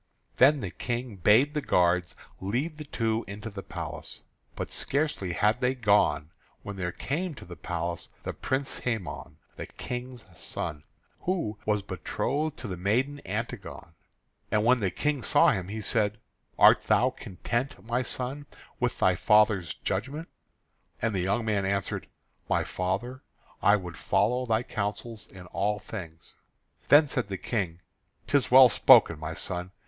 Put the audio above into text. Then the King bade the guards lead the two into the palace. But scarcely had they gone when there came to the place the Prince Hæmon, the King's son, who was betrothed to the maiden Antigone. And when the King saw him, he said: "Art thou content, my son, with thy father's judgment?" And the young man answered: "My father, I would follow thy counsels in all things." Then said the King: "'Tis well spoken, my son.